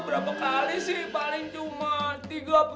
berapa kali sih paling cuma tiga puluh tujuh kali